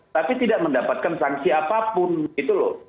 tapi tidak mendapatkan sanksi apapun gitu loh